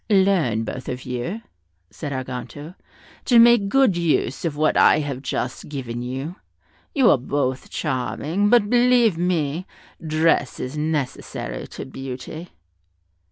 "Learn, both of you," said Arganto, "to make good use of what I have just given you; you are both charming, but believe me, dress is necessary to beauty."